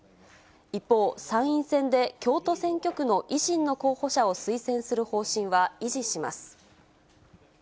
一方、参院選で京都選挙区の維新の候補者を推薦する方針は維持します。